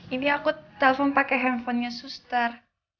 ini aku telepon pake handphonenya sustar